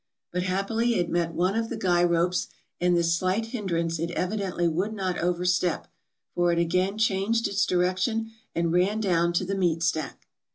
But happily it met one of the guy ropes, and this slight hindrance it evidently would not overstep, for it again changed its direction and ran down to the meat stack.